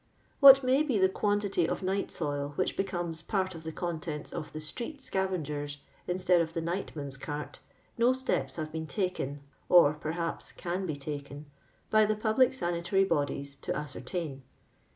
What may be the quantity of night soil which beeomea part of the contents of the street •Ottfdnger'8 instead of the nightman's cart, no steps have been taken, or perhaps can be taken, by the public sanitaiy bodies to ascer tain.